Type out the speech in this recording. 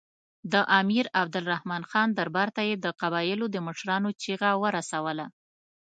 د امیر عبدالرحمن خان دربار ته یې د قبایلو د مشرانو چیغه ورسوله.